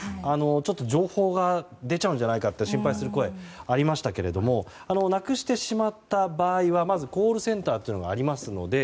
ちょっと情報が出ちゃうんじゃないかって心配する声がありましたけれどもなくしてしまった場合はコールセンターというのがありますので。